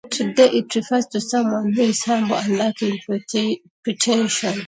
Today it refers to someone who is humble and lacking pretension.